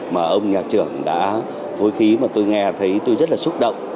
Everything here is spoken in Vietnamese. mà ông nhạc trưởng đã phối khí mà tôi nghe thấy tôi rất là xúc động